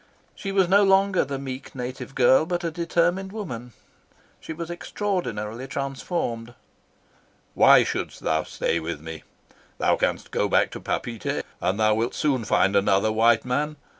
She was no longer the meek, soft native girl, but a determined woman. She was extraordinarily transformed. "Why shouldst thou stay with me? Thou canst go back to Papeete, and thou wilt soon find another white man.